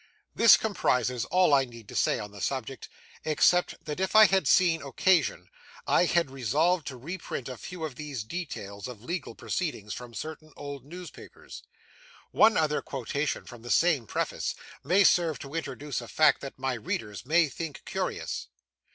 This comprises all I need say on the subject; except that if I had seen occasion, I had resolved to reprint a few of these details of legal proceedings, from certain old newspapers. One other quotation from the same Preface may serve to introduce a fact that my readers may think curious.